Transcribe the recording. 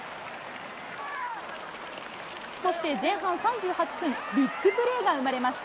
そして前半３８分、ビッグプレーが生まれます。